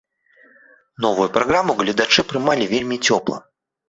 Новую праграму гледачы прымалі вельмі цёпла.